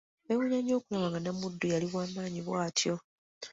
Beewunya nnyo okulaba nga Namuddu yali wamaanyi bwatyo.